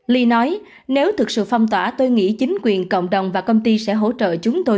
ly nói nếu thực sự phong tỏa tôi nghĩ chính quyền cộng đồng và công ty sẽ hỗ trợ chúng tôi